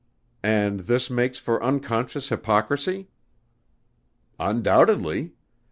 "And this makes for unconscious hypocrisy?" "Undoubtedly.